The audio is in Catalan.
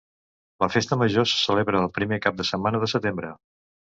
La Festa Major se celebra el primer cap de setmana de setembre.